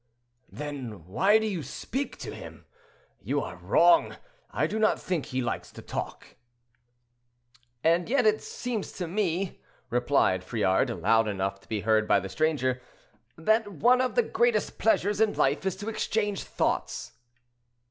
"Then why do you speak to him? You are wrong. I do not think he likes to talk." "And yet it seems to me," replied Friard, loud enough to be heard by the stranger, "that one of the greatest pleasures in life is to exchange thoughts."